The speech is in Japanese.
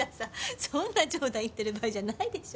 そんな冗談言っている場合じゃないでしょ。